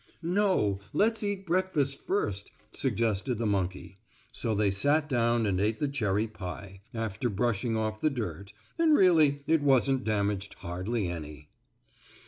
"No, let's eat breakfast first," suggested the monkey; so they sat down and ate the cherry pie, after brushing off the dirt, and really it wasn't damaged hardly any.